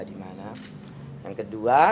di mana yang kedua